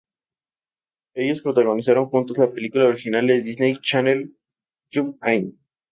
Ellos protagonizaron juntos la película original de Disney channel Jump In!